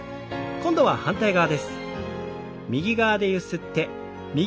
今度は反対側です。